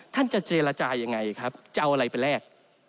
ท่านจะเจรจายังไงครับจะเอาอะไรไปแลก